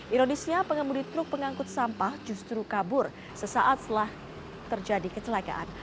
ironisnya pengemudi truk pengangkut sampah justru kabur sesaat setelah terjadi kecelakaan